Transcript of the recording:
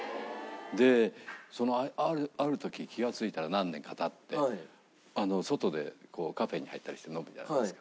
でそのある時気がついたら何年か経って外でカフェに入ったりして飲むじゃないですか。